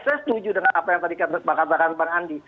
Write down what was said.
saya setuju dengan apa yang tadi katakan bang andi